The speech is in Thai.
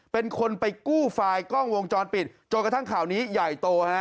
เป็นคนไปกู้ไฟล์กล้องวงจรปิดจนกระทั่งข่าวนี้ใหญ่โตฮะ